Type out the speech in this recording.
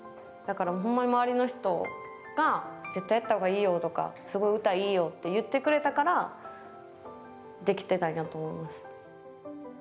だからホンマに周りの人が絶対やった方がいいよとかすごい歌いいよって言ってくれたからできてたんやと思います。